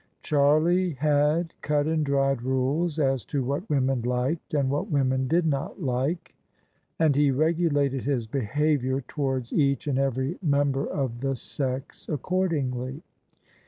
Charlie had cut and dried rules as to what women liked and what women did not like ; and he regulated his behaviour towards each and every mem ber of the sex accordingly.